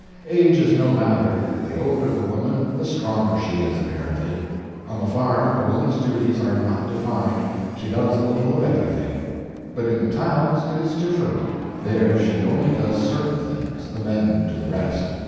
Age is no matter the older the woman the stronger she is, apparently. On the farm a woman's duties are not defined she does a little of everything; but in the towns it is different, there she only does certain things, the men do the rest.